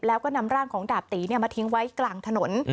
แล้วก็นำร่างของดาบตีมาทิ้งไว้กลางถนน